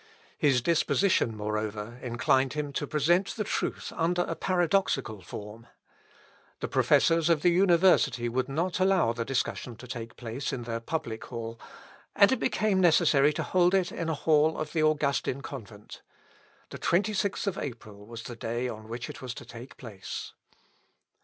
His disposition, moreover, inclined him to present the truth under a paradoxical form. The professors of the university would not allow the discussion to take place in their public hall, and it became necessary to hold it in a hall of the Augustin convent. The 26th of April was the day on which it was to take place.